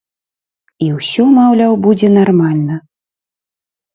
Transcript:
І ўсё, маўляў, будзе нармальна.